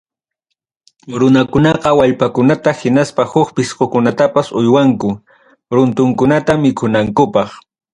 Runakunaqa wallpakunata hinaspa huk pisqukunatapas uywankum runtunkunata mikunankupaq.